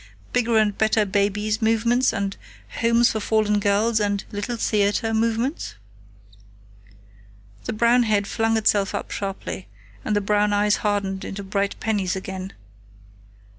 "Bigger and Better Babies Movements, and Homes for Fallen Girls, and Little Theater Movements?" The brown head flung itself up sharply, and the brown eyes hardened into bright pennies again.